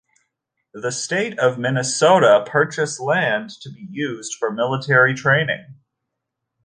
The State of Minnesota purchased of land to be used for military training.